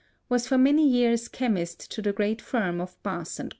was for many years chemist to the great firm of Bass & Co.